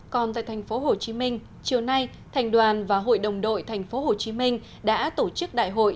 còn tại tp hcm chiều nay thành đoàn và hội đồng đội tp hcm đã tổ chức đại hội